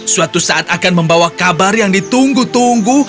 suatu saat akan membawa kabar yang ditunggu tunggu